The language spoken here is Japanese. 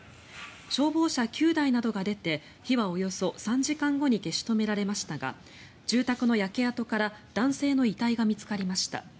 消防車９台などが出て火はおよそ３時間後に消し止められましたが住宅の焼け跡から男性の遺体が見つかりました。